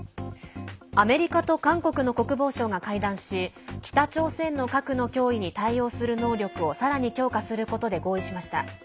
アメリカと韓国の国防相が会談し北朝鮮の核の脅威に対応する能力をさらに強化することで合意しました。